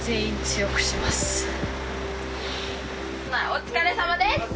お疲れさまです。